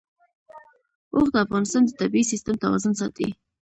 اوښ د افغانستان د طبعي سیسټم توازن ساتي.